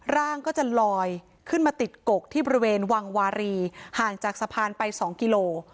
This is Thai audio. ร่างก็จะลอยขึ้นมาติดกกที่บริเวณวังวารีห่างจากสะพานไป๒กิโล